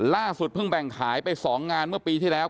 ล่าสุดเพิ่งแบ่งขายไป๒งานเมื่อปีที่แล้ว